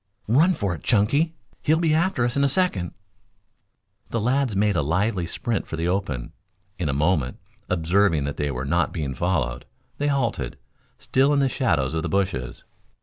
"Run for it, Chunky! He'll be after us in a second." The lads made a lively sprint for the open. In a moment, observing that they were not being followed, they halted, still in the shadows of the bushes.